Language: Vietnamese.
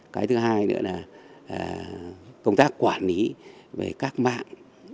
cái thứ hai nữa là công tác quản lý về các mạng